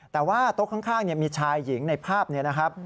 แต่ว่าโต๊ะข้างมีชายหญิงในภาพนี้นะครับ